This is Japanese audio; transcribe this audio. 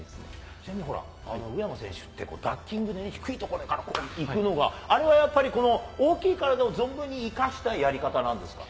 ちなみにほら、宇山選手ってダッキングで低い所からいくのが、あれはやっぱり、この大きい体を存分に生かしたやり方なんですか。